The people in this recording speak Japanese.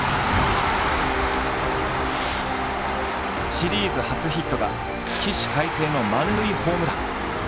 シリーズ初ヒットが起死回生の満塁ホームラン。